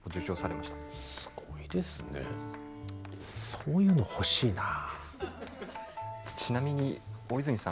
そういうの欲しいなあ。